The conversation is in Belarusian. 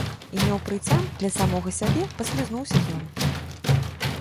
І неўпрыцям для самога сябе паслізнуўся ён.